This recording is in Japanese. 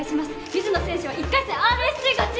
水野選手は１回戦ＲＳＣ勝ち！